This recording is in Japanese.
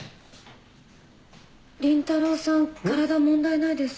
倫太郎さん体問題ないですか？